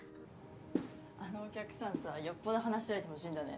あのお客さんさよっぽど話し相手欲しいんだね。